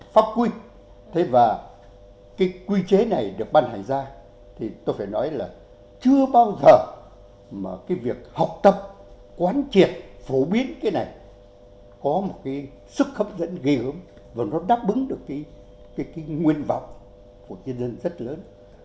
phát quy và cái quy chế này được ban hành ra thì tôi phải nói là chưa bao giờ mà cái việc học tập quán triệt phổ biến cái này có một cái sức hấp dẫn ghi hướng và nó đáp ứng được cái nguyên vọng của nhân dân rất lớn